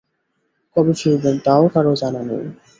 কবে ফিরবেন, তাও কারো জানা নেই।